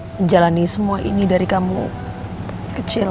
menjalani semua ini dari kamu kecil